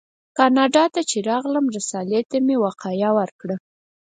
کاناډا ته چې راغلم رسالې ته مې وقایه ورکړه.